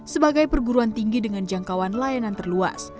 sebagai perguruan tinggi dengan jangkauan layanan terluas